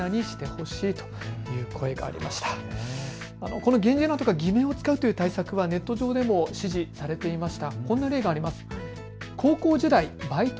この源氏名とか偽名を使うという対策はネット上でも支持されていました。